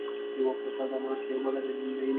یوه کوټه د ناستې او بله د مینې وه